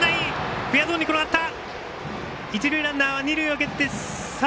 フェアゾーンに転がった！